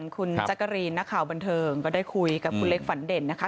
คุณจักรีนนักข่าวบันเทิงก็ได้คุยกับคุณเล็กฝันเด่นนะคะ